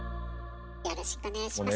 よろしくお願いします。